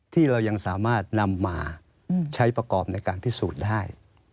ที่เรายังสามารถนำมาใช้ประกอบในการพิสูจน์ได้